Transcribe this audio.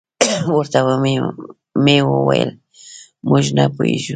ورته مې وویل: موږ نه پوهېږو.